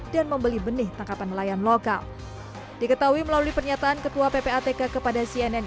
dan membeli benih tangkapan nelayan lokal diketahui melalui pernyataan ketua ppatk kepada cnn